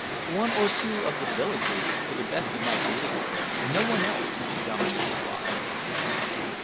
"One or two of the villagers; to the best of my belief, no one else," Dominey replied.